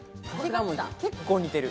結構似てる。